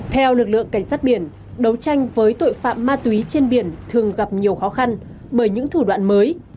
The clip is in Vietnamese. theo lực lượng cảnh sát biển đấu tranh với tội phạm ma túy trên biển thường gặp nhiều khó khăn bởi những thủ đoạn mới